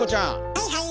はいはい。